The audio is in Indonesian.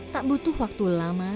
tak butuh waktu lama